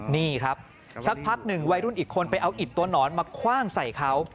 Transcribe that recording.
นี่ครับสักพักหนึ่งวัยรุ่นอีกคนไปเอาอิดตัวหนอนมาคว่างใส่เขา